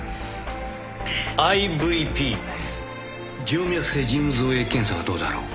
ＩＶＰ静脈性腎盂造影検査はどうだろう？